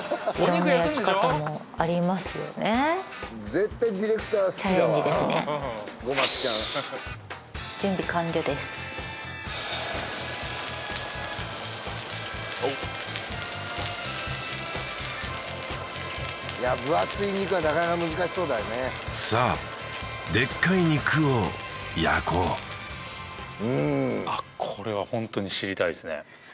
絶対ディレクター好きだわゴマキちゃんいや分厚い肉はなかなか難しそうだよねさあでっかい肉を焼こううーんこれはホントに知りたいですね